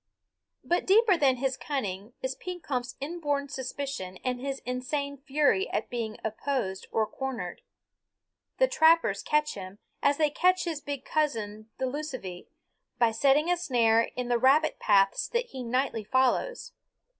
But deeper than his cunning is Pekompf's inborn suspicion and his insane fury at being opposed or cornered. The trappers catch him, as they catch his big cousin the lucivee, by setting a snare in the rabbit paths that he nightly follows.